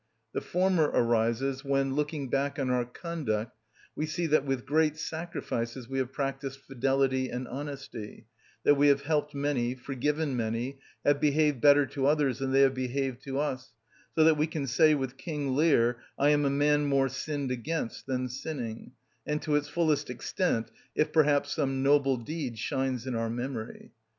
The former arises when, looking back on our conduct, we see that with great sacrifices we have practised fidelity and honesty, that we have helped many, forgiven many, have behaved better to others than they have behaved to us; so that we can say with King Lear, "I am a man more sinned against than sinning;" and to its fullest extent if perhaps some noble deed shines in our memory.